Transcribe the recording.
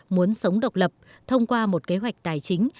muốn sống độc lập thông qua một kế hoạch tài chính